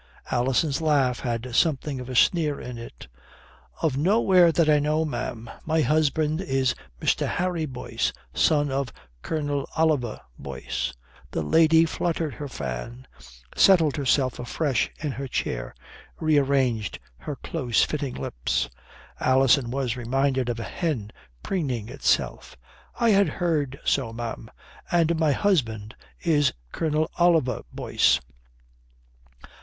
Alison's laugh had something of a sneer in it, "Of nowhere that I know, ma'am. My husband is Mr. Harry Boyce, son of Colonel Oliver Boyce." The lady fluttered her fan, settled herself afresh in her chair, rearranged her close fitting lips. Alison was reminded of a hen preening itself. "I had heard so, ma'am. And my husband is Colonel Oliver Boyce."